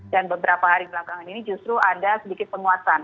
dan beberapa hari belakangan ini justru ada sedikit penguasaan